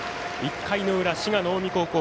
１回の裏、滋賀の近江高校